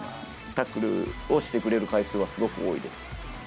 タックルをしてくれる回数はすごく多いです。